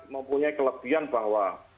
mempunyai kelebihan bahwa